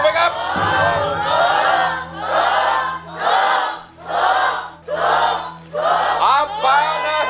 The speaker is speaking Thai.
ถูกไหมครับ